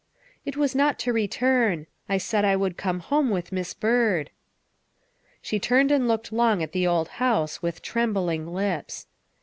'" It was not to return. I said I would come home with Miss Byrd." She turned and looked long at the old house, with trembling lips.